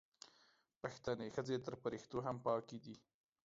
پښتنې ښځې تر فریښتو هم پاکې دي